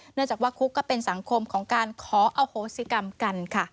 เนื่องจากว่าคุกก็เป็นสังคมของการขออโหสิกรรมกันค่ะ